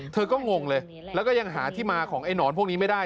เธอก็งงเลยแล้วก็ยังหาที่มาของไอ้หนอนพวกนี้ไม่ได้